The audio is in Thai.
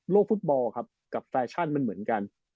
โลกฟุตบอลกับแฟชั่นมันเหมือนกัน